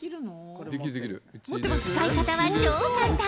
使い方は超簡単。